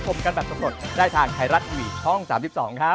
โปรดติดตามตอนต่อไป